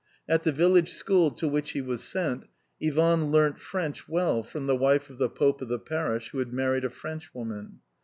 At the village school to which he was sent, Ivan leamt French well from the wife of the pope of the parish, who had married a Frenchwoman.